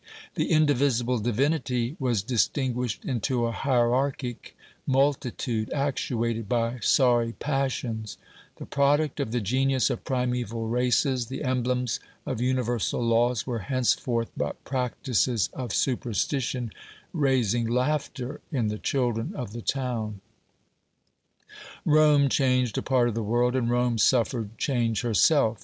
The indivisible Divinity was distinguished into a hierarchic multitude actuated by sorry passions; the product of the genius of primeval races, the emblems of universal laws^ were hence forth but practices of superstition, raising laughter in the children of the town. Rome changed a part of the world, and Rome suffered change herself.